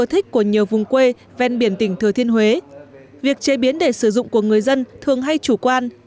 các món ăn ưa thích của nhiều vùng quê ven biển tỉnh thừa thiên huế việc chế biến để sử dụng của người dân thường hay chủ quan